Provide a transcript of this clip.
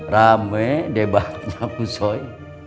rame debatnya mushoi